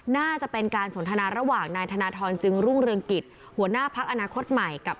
น่าจะเป็นการสนทนาระหว่างนายธนทรจึงรุ่งเรืองกิจหัวหน้าพักอนาคตใหม่กับ